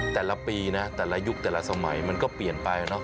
แต่ละปีนะแต่ละยุคแต่ละสมัยมันก็เปลี่ยนไปเนอะ